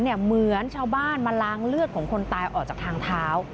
เหมือนชาวบ้านมาล้างเลือดของคนตายออกจากทางเท้า